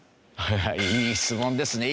いい質問ですね。